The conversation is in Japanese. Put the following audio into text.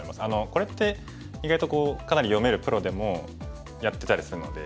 これって意外とかなり読めるプロでもやってたりするので。